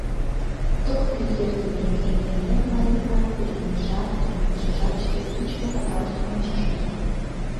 Ток вӱд эртымек, Эреҥер марий-влак, пӧръеҥжат, ӱдырамашыжат, шке кӱнчымӧ канавыштым ончаш мият.